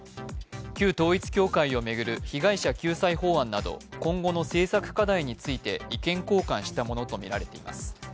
旧統一教会を巡る被害者救済法案など今後の政策課題について意見交換したものとみられます。